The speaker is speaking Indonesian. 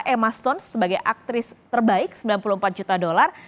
emasons sebagai aktris terbaik sembilan puluh empat juta dolar